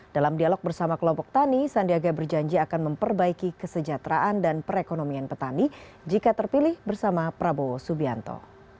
dalam dialog bersama kelompok tani sandiaga berjanji akan memperbaiki kesejahteraan dan perekonomian petani jika terpilih bersama prabowo subianto